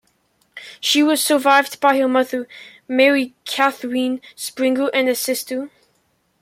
She was survived by her mother, Mary Cathryn Springer, and a sister.